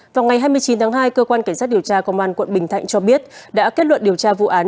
vào ngày hai mươi chín tháng hai cơ quan cảnh sát điều tra công an quận bình thạnh cho biết đã kết luận điều tra vụ án